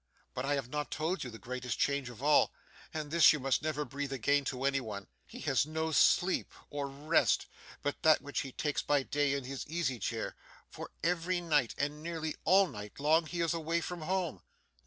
But I have not told you the greatest change of all, and this you must never breathe again to any one. He has no sleep or rest, but that which he takes by day in his easy chair; for every night and nearly all night long he is away from home.